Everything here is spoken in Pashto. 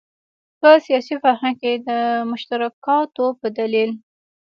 په سیاسي فرهنګ کې د مشترکاتو په دلیل.